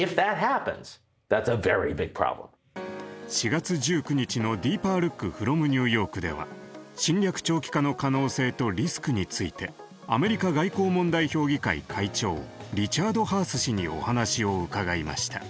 ４月１９日の「ＤＥＥＰＥＲＬＯＯＫｆｒｏｍＮｅｗＹｏｒｋ」では侵略長期化の可能性とリスクについてアメリカ外交問題協議会会長リチャード・ハース氏にお話を伺いました。